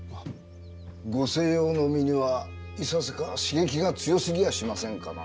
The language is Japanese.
ご静養の身にはいささか刺激が強すぎやしませんかな？